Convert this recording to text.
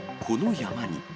この山に。